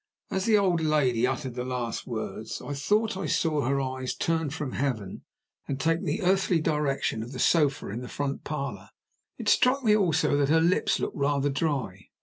As the old lady uttered the last words, I thought I saw her eyes turn from heaven, and take the earthly direction of the sofa in the front parlor. It struck me also that her lips looked rather dry.